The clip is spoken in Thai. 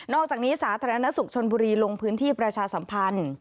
อกจากนี้สาธารณสุขชนบุรีลงพื้นที่ประชาสัมพันธ์